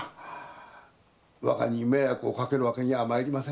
若に迷惑をかけるわけにはまいりません。